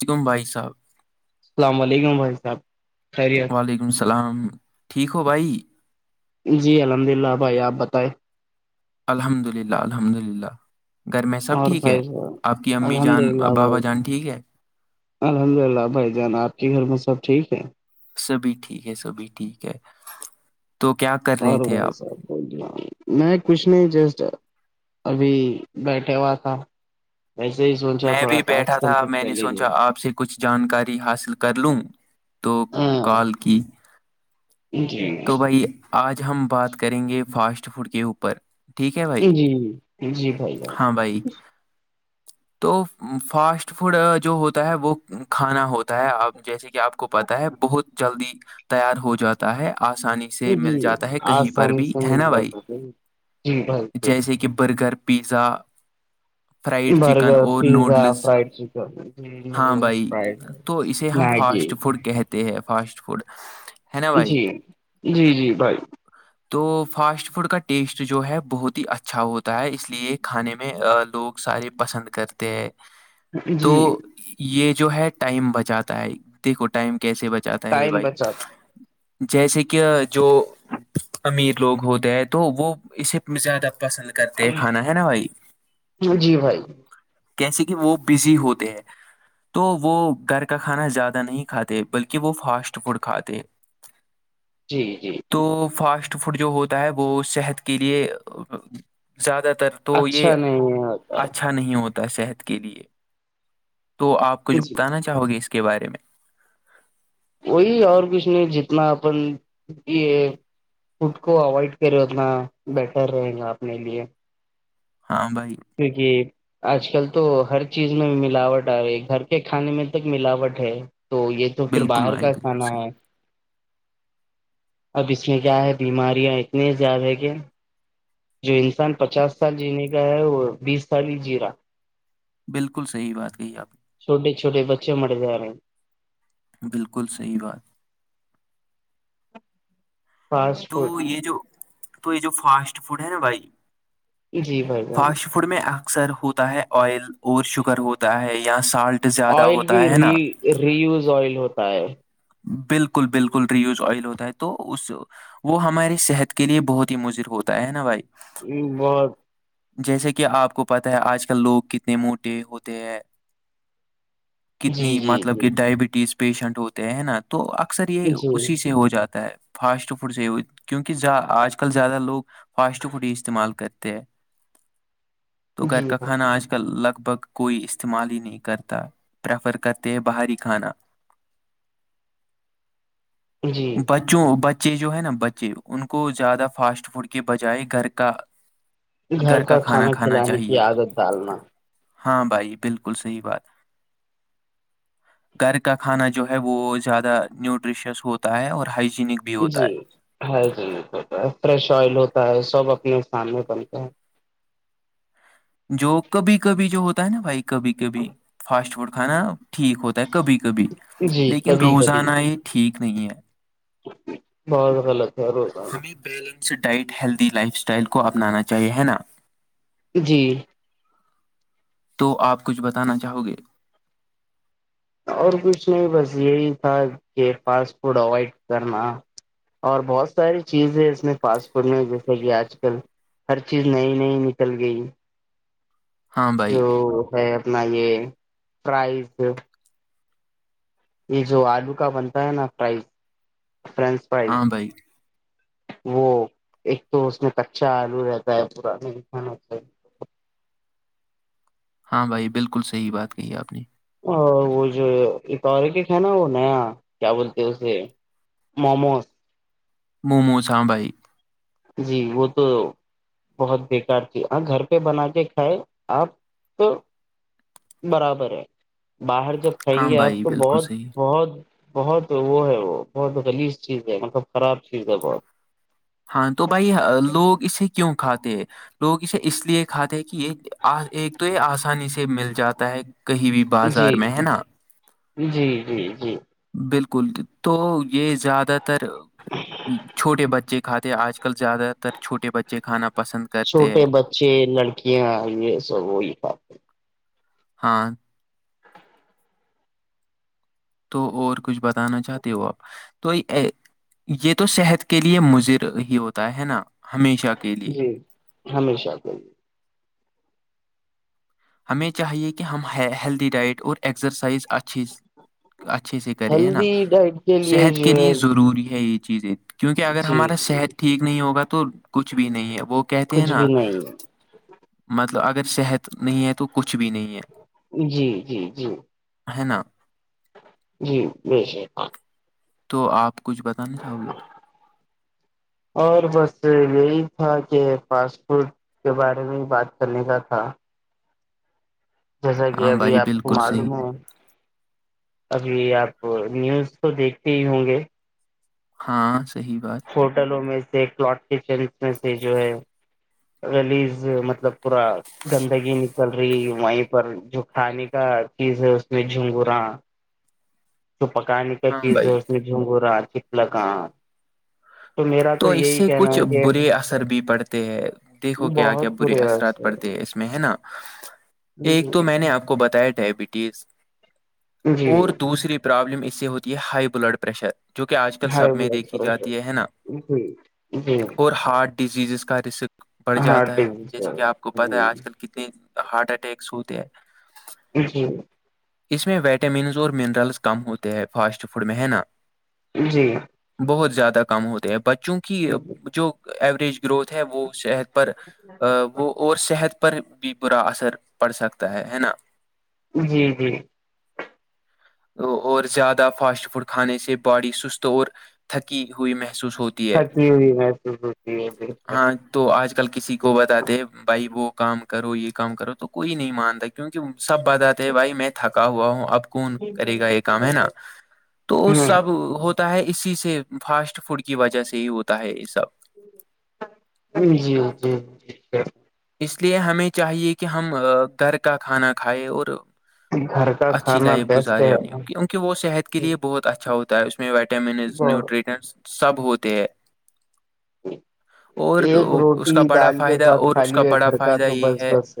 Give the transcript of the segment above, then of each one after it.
شگم بائی صاحب السلام علیکم بھائی صاحب خیری وعلیکم السلام ٹھیک ہو بھائی جی الحمد للہ بھائی آپ بتائیں الحمد للہ الحمد للہ گھر میں سب اور ٹھیک ہے بھائی صاحب آپ کی امی الحمد جان للہ بابا بھائی جان ٹھیک ہے الحمد للہ بھائی جانا آپ کے گھر میں سب ٹھیک ہے سبھی ٹھیک ہے سبھی ٹھیک ہے تو کیا کر رہے اور تھے بائی آپ سر کو میں کچھ نہیں جسٹ ابھی بیٹھا ہوا تھا وسے ہی سوچا میں تھوڑا بھی بیٹھا ٹسک تھا کمپلیٹ میں کر نے سوچا لیجیے آپ سے کچھ جانکاری حاصل کر لوں تو ہاں کال کی جی تو بھائی آج ہم بات کریں گے فاسٹ فوڈ کے اوپر ٹھیک ہے بھائی جی جی جی بھائی بائی ہاں بھائی تو فاسٹ فوڈ جو ہوتا ہے وہ کھانا ہوتا ہے آپ جیسے آپ کو پتا ہے بہت جلدی تیار ہو جاتا ہے آسانی جی سے مل جی جاتا ہے کہیں پر آسانی بھی سے ہے مل نا بھائی جاتا ہے۔ جی بھائی جیسے کہ برگر پ پیزا فرائڈ چکن برگر اور پیزا نوڈلس فرائڈ چکن ہاں نوڈلس بھائی فرائڈ تو رائس اسے ہم میگی فاسٹ فوڈ کہتے ہیں فاسٹ فوڈ ہے نا بھائی جی جی جی بھائی تو فاسٹ فوڈ کا ٹیسٹ جو ہے بہت ہی اچھا ہوتا ہے اس لیے کھانے میں لوگ سارے پسند کرتے ہیں تو جی یہ جو ہے ٹائم بچاتا ہے دیکھو ٹائم کیسے بچاتا ہے یہ ٹائم بھائی بچا جیسے کہ جو امیر لوگ ہوتے ہیں تو وہ اسے زیادہ پسند کرتے کھانا ہے نا بھائی جی بھائی کیسے کہ وہ بزی ہوتے ہیں تو وہ گھر کا کھانا زیادہ نہیں کھاتے بلکہ وہ فاسٹ فوڈ کھاتے جی جی تو فاسٹ فوڈ جو ہوتا ہے وہ صحت کے لیے زیادہ تر تو یہ اچھا نہیں ہوتا اچھا نہیں ہوتا صحت کے لیے تو آپ کچھ جی بتانا چاہو گے اس کے بارے میں وہی اور کچھ نہیں جتنا اپن یہ فڈ کو اوائڈ کرے اتنا بیٹر رہے گا اپنے لیے ہاں بھائی کیکہ آج کل تو ہر چیز میں ملاوٹ آ رہی ہے گھر کے کھانے میں تک ملاوٹ ہے تو یہ تو پھر بالکل باہر بھائی کا بالکل کھانا صحیح ہے اب اس میں کیا ہے بیماریاں اتنی زیادہ ہے کہ جو انسان پچاس سال جینے کا ہے وہ بیس سال ہی جی رہا بالکل صحیح بات کہی آپ نے چھوٹیے چھوے بچے مے رہے بالکل صحیح بات فاسٹ تو فوڈ یہ جو تو یہ جو فاسٹ فوڈ ہے نا بھائی جی بھائی جان فڈ میں اکثر ہوتا ہے آئل اور شوگر ہوتا ہے یا سالٹ زیادہ آئل بھی ہوتا ہے نا ری ریوز آئل ہوتا ہے بالکل بالکل ریوز آئل ہوتا ہے تو اس وہ ہماراری صحت کے لیے بہت ہی مضر ہوتا ہے نا بھائی یہ مت جیسے کہ آپ کو پتاہ ہے آج کل لوگ کتنے موٹے ہوتے ہیں جی کتنی جی مطلب جی کہ ڈائبٹیز پیشنٹ ہوتے ہیں ہے نا تو اکثر یہ جی اسی سے ہو جاتا ہے فاسٹ فوڈ سے ہی ہو کیونکہ آج کل زیادہ لوگ فاسٹ فوڈ ہی استعمال کرتے ہیں تو جی گھر کا بھائی کانا آج لگ بھگ کوئی استعمال ہی نہیں کرتا پریفر کرتے ہیں باہری کھانا جی بچ جو بچے جو ہے نا بچے ان کو زیادہ فاسٹ فوڈ کے بجائے گھر کا گھر کا کھانا کھلانے کی عادت ڈالنا ہاں بھائی بالکل صحیح بات گھر کا کھانا جو ہے وہ زیادہ نیوٹریشیس ہوتا ہے اور ہائجینک بھی ہوتا جی ہے ہ جیتا ہے فریش آئل ہوتا ہے سب اپنے سامنے بنتے ہیں جو کبھی کبھی جو ہوتا ہے نا بھائی کبھی کبھی فاسٹ فوڈ کھانا ٹھیک ہوتا ہے کبھی کبھی ہے جی لیکن کبھی کبھی روزانہ یہ ٹھیک نہیں ہے بہت حل تھرو س balanced diet healthy lifestyle کو اپنانا چاہیے ہے نا جی تو آپ کچھ بتانا چاہو گے اور کچھ نہیں بس یہی تھا کہ فاسٹ فوڈ اوائڈ کرنا اور بہت ساری چیز ہے اس میں فاسٹ فوڈ میں جیسے کہ آج کل ہر چیز نئی نئی نکل گئی ہاں بھائی جو ہے اپنا یہ پرائز یہ جو آلو کا بنتا ہے نا فز فرینچ فز ہاں بھائی وہ ایک تو اس میں کچا آلو رہتا ہے پانا ہاں بھائی بالکل صحیح بات کہی آپ نے اور وہ جو اتارے کے نا وہ نیا کیا بولتے اسے مموز موومو سانبائی جی وہ تو بہت بیکار تھی ہ گھر پہ بنا کے کھائے آپ تو برابر ہے باہر جب کھائیں ہاں گے آپ بھائی تو بالکل بہت صحیح بہت بہت وہ ہے وہ بہت خلیس چیز ہے مطلب خراب چیز ہے بہت ہاں تو بھائی لوگ اسے کیوں کھاتے ہیں لوگ اسے اس لیے کھاتے ہیں کہ یہ ایک تو یہ آسانی سے مل جاتا ہے کہیں بھی بازار جی میں ہے نا جی جی جی بالکل تو یہ زیادہ تر چھوٹے بچے کھاتے آج کل زیادہ ا تر چھوٹے بچے کھانا پسند کرتے ہیں چھوٹے بچے لڑکیاں یہ سب وہی کھاتے ہاں تو اور کچھ بتانا چاہتے ہو آپ تو یہ تو صحت کے لیے مضر ہی ہوتا ہے نا [unintelligible] کے لیے جی ہمیشہ کویے ہمیں چاہیے کہ ہم ہیلدی ڈائٹ اور ایکسرسائز اچھی اچھے سے کرے ہے نا ہیلدی ڈائٹ کے صحت کے جو ہے لیے ضروری ہے یہ چیزیں کیونکہ اگر جی ہمارا جی صحت ٹھیک نہیں ہوگا تو کچھ بھی نہیں ہے وہ کہتے ہیں کچھ بھی نا نہیں مطلب اگر صحت نہیں ہے تو کچھ بھی نہیں ہے جی جی جی ہے نا جی بیچے ہاں تو آپ کچھ بتانا چاہو گے اور بس یہی تھا کہ فاسٹ فوڈ کے بارے میں بات کرنے کا تھا جیسا کہ ہاں ابھی بھائی آپ کو بالکل صحیح معلوم ہے ابھی آپ نیوز کو دیکھتے ہی ہوں گے [unintelligible] ہاں صحیح بات ہوٹلوں میں سے کلاٹ کچن میں سے جو ہے لیز مطلب پورا گندگی نکل رہی وہیں پر جو کھانے کا چیز ہے اس میں جھنگورا جو پکانے کا ہاں چیز ہے بھائی اس میں جھگورا چپلک تو اس سے کچھ برے اثر بھی پڑتے ہیں دیکھو کیا کیا بہت برے اثرات ایسے پڑتے ہیں اس میں ہے نا ایک تو جی میں نے آپ کو بتایا ڈائبٹیز جی اور دوسری پرابلم اس سے ہوتی ہے ہائی بلڈ پریشر جو کہ آج کل ہائی سب میں بلڈ دیکھی پریشر جاتی ہے نا جی جی ہارٹ ڈیزیزز کا رسک بڑھ ہارٹ جاتا ہے ڈزیز جیسے کہ آپ کو پتا ہے آج کل کت ہارٹ اٹیکس ہوتے ہے جی اس میں وائٹامنس اور منرلز کم ہوتے ہیں فاسٹ فوڈ میں ہے نا جی بہت زیادہ کم ہوتے ہیں بچوں کی جو ایوریج گروتھ ہے وہ صحت پر وہ اور صحت پر بھی برا اثر پڑ سکتا ہے ہے نا جی جی اور زیادہ فاسٹ فوڈ کھانے سے باڈی سست اور تھکی ہوئی محسوس ہوتی ہے سچی ہوئی محسوس ہوتی ہے ہاں تو آج کل کسی کو بتاتے بھائی وہ کام کرو یہ کام کرو تو کوئی نہیں مانتا کیونکہ سب بتاتے بھائی میں تھکا ہوا ہوں اب کون کرے گا یہ کام ہے نا تو ہ سب ہوتا ہے اسی سے فاسٹ فوڈ کی وجہ سے ہی ہوتا ہے یہ سب ج جی جی اس لیے ہمیں چاہیے کہ ہم گھر کا کھانا کھائائے اور گھر کا اچھی کھانا لائف بیسٹ گزارے ہے اپنی کی ون کہہ وہ صحت کے لیے بہت اچھا ہوتا ہے اس میں وائٹامنز نیوٹریٹنس سب ہوتے ہیں اور ایک اس کا روٹی بڑا دال کے فائدہ ساتھ اور کھا اس کا لی ب ہے بڑا گھر کا فائدہ تو یہ بس ہے بس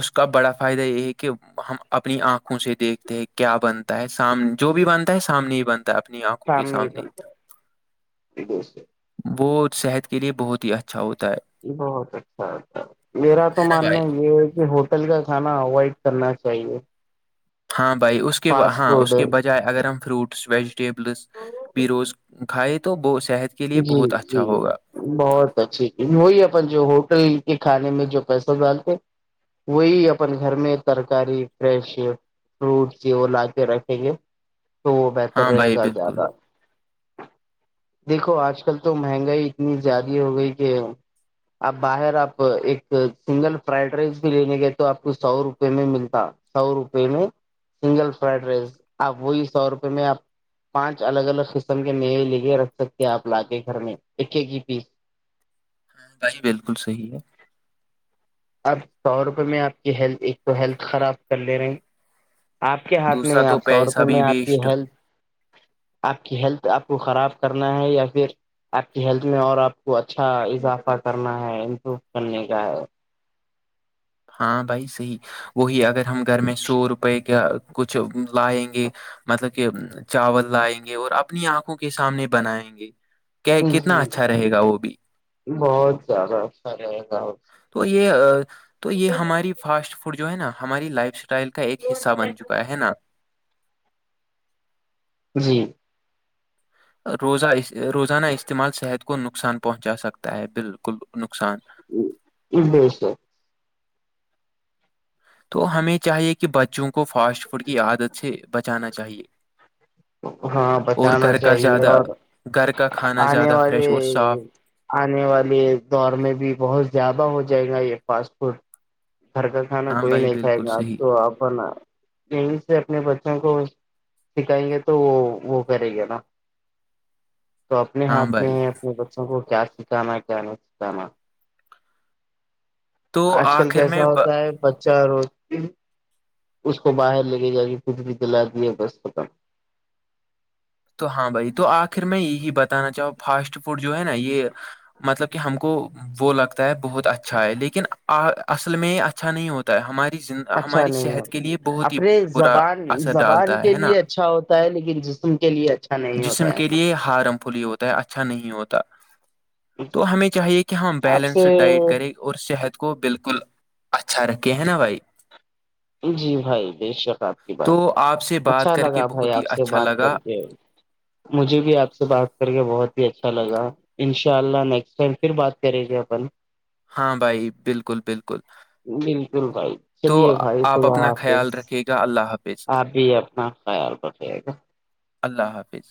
اس کا بڑا فائدہ یہ ہے کہ ہم اپنی آنکھوں سے دیکھتے ہیں کیا بنتا ہے سام جو بھی بنتا ہے سامنے ہی بنتا اپنی آنکھوں کے شام میں ہی سامنے بنتا دیشے وہ صحت کے لیے بہت ہی اچھا ہوتا ہے یہ بہت اچھا اچا میرا تو ہے نا ماننا بھائی یہ ہے کہ ہوٹل کا کھانا اوائڈ کرنا چاہیے ہاں بھائی اس کے فاسٹ ہاں اس فوڈ کے بچ چاہے اگر ہم فروٹس ویجیٹیبلس بھی روز کھائے تو ب صحت کے لیے جی بہت اچھا جی ہوگا بہت اچھی وہی اپن جو ہوٹل کے کھانے میں جو پیسہ ڈالتے وہی اپن گھر میں ترکاری فریش فروٹ کی وہ لا کے رکھیں گے تو وہ بہتر ہاں رہے بھائی گا بالکل زیادہ دیکھو آج کل تو مہنگائی اتنی زیادہ ہو گئی کہ اب باہر آپ ایک سنگل فرائیڈ رائس بھی لینے گئے تو آپ کو سو روپے میں ملتا سو روپئے میں سنگل فرائڈ رائس آپ وہی سو روپے میں آپ پانچ الگ الگ قسم کے میوے ل کےے رکھ سکتے آپ لا کے گھر میں ایک ایک ہی پیس ہاں بھائی بالکل صحی ہے اپ سو روپئے میں آپ کی ہیلتھ ایک تو ہیلتھ خراب کر لے رہے ہیں آپ کے ہاتھ دوسرا میں تو آپ طور پہ پیسہ بھی میں آپ کی ویسٹ ہیلپ آپ کی ہیلتھ آپ کو خراب کرنا ہے یا پھر آپ کی ہیلتھ میں اور آپ کو اچھا اضافہ کرنا ہے امپروو کرنے کا ہے ہاں بھائی صحی وہی اگر ہم گھر میں سو روپے کا کچھ لائیں گے مطلب کہ چاول لائیں گے اور اپنی آنکھوں کے سامنے بنائیں گے کہ کتنا جی اچھا رہے گا وہ بھی بہت زیادہ اچھا رہے گا تو یہ تو یہ ہماری فاسٹ فوڈ جو ہے نا ہماری لائف اسٹائل کا ایک حصہ بن چکا ہے نا جی [unintelligible] روزہ اس روزانہ استعمال صحت کو نقصان پہنچا سکتا ہے بالکل نقصان ا بیسے [unintelligible] تو ہمیں چاہیے کہ بچوں کو فاسٹ فوڈ کی عادت سے بچانا چاہیے ہاں اور بچانا گھر کا چاہیے زیادہ اور گھر کا کھانا آنے زیادہ والے فریش اور صاف آنے والے دور میں بھی بہت زیادہ ہو جائے گا یہ فاسٹپورٹ گھر کا کھانا ہاں کوئی بھائی نہیں کھائے بالکل گا آپ صحیح تو اپن یہ سے اپنے بچوں کو سکھائیں گے تو وہ وہ کرے گا نا تو اپنے ہاں ہاتھ میں بھائی اپنے بچوں کو کیا سکھانا کیا نہیں سکھانا تو آج کل آخر کیسا میں ب... ہوتا ہے بچہ رو اس کو باہر لگے جا کے کھ بھی دلا دیا بس ختم تو ہاں بھائی تو آخر میں یہی بتانا چاہوں فاسٹ فوڈ جو ہے نا یہ مطلب کہ ہم کو وہ لگتا ہے بہت اچھا ہے لیکن اصل میں اچھا نہیں ہوتا ہے ہماری زندگ اچھا نہیں ہے اپنے برا زبان اثر زبان ڈالتا کے ہے نا لیے اچھا ہو لیکن جسم کے لیے اچھا نہیں جسم ہوتا کے ہے لیے ہارم فل ہی ہوتا ہے اچھا نہیں ہوتا تو ہمیں چاہیے کہ ہم آپ سے بیلنسڈ ڈائٹ کریں اور صحت کو بالکل اچھا رکھے ہے نا بھائی جی بھائی بے شک آپ کی تو بات ہو آپ سے بات اچھا کر کے لگا بھائی بہت ہی آپ سے اچھا بات لگا کر کے مجھے بھی آپ سے بات کر کے بہت ہی اچھا لگا ان شاء اللہ نیکسٹ ٹائم پھر بات کریں گے اپن ہاں بھائی بالکل بالکل بالکل بھائی تو چلیے بھائی آپ خدا اپنا خیال حافظ رکھے گا اللہ حافظ آپ بھی اپنا خیال رکھے گا اللہ حافظ